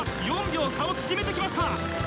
４秒差を縮めてきました！